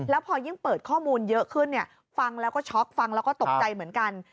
แล้วพอยิ่งเปิดข้อมูลเยอะขึ้นฟังแล้วก็ช็อกฟังแล้วก็ตกใจเหมือนกัน